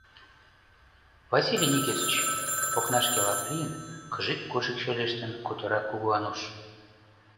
— Василий Никитыч, — окнашке лап лийын, кыжик-кожик шӱлештын, кутыра Кугу Ануш.